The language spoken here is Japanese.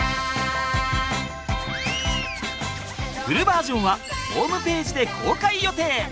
フルバージョンはホームページで公開予定！